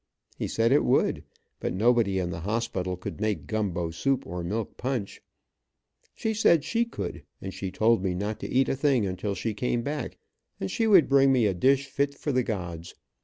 He said it would, but nobody in the hospital could make gumbo soup, or milk punch. She said she could, and she told me not to eat a thing until she came back, and she would bring me a dish fit for the gods.